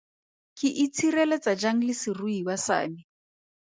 Ke itshireletsa jang le seruiwa sa me?